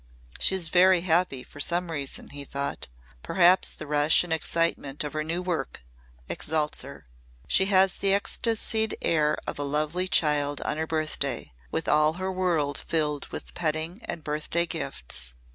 "She is very happy for some reason," he thought. "Perhaps the rush and excitement of her new work exalts her. She has the ecstasied air of a lovely child on her birthday with all her world filled with petting and birthday gifts."